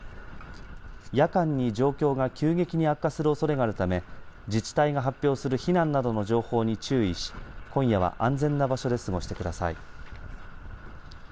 夜間に状況が急激に悪化するおそれがあるため自治体が発表する避難などの情報に注意し今夜は安全な場所で過ごしてください。